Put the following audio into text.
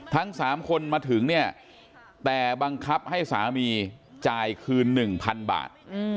ทั้ง๓คนมาถึงเนี่ยแต่บังคับให้สามีจ่ายคืน๑๐๐๐บาท